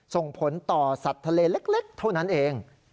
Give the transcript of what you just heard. ส่งผลต่อสัตว์ทะเลเล็กเท่านั้นเอง